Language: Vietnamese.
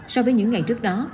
so với những ngày trước đó